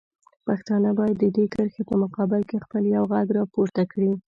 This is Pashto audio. پښتانه باید د دې کرښې په مقابل کې خپل یو غږ راپورته کړي.